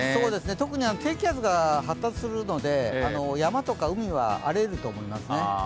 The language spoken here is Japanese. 特に低気圧が発達するので山とか海は荒れると思います。